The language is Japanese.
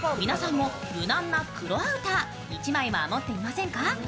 皆さんも無難な黒アウター、１枚は持っていませんか。